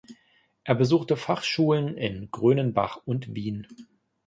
Er besuchte Fachschulen in Grönenbach und Wien.